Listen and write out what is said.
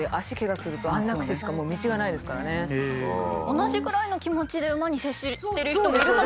同じくらいの気持ちで馬に接してる人もいるかもしれない。